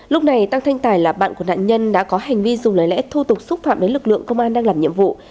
lúc này tăng thanh tài là bạn của nạn nhân đã có hành vi dùng lời lẽ thô tục xúc phạm đến lực lượng công an đang làm nhiệm vụ